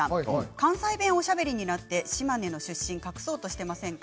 関西弁おしゃべりになって島根の出身を隠そうとしていませんか。